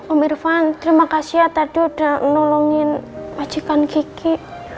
om irfan terima kasih ya tadi udah nolongin majikan kiki